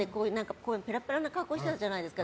ペラペラの格好してたじゃないですか。